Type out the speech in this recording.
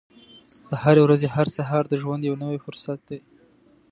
د هرې ورځې هر سهار د ژوند یو نوی فرصت دی.